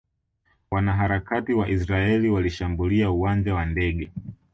Wanaharakati wa Israeli walishambulia uwanja wa ndege